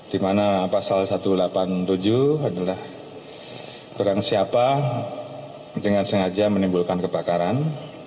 di mana pasal satu ratus delapan puluh tujuh adalah orang siapa dengan sengaja menimbulkan kebakaran